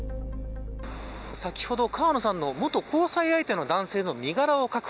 先ほど、川野さんの元交際相手の男性の身柄を確保。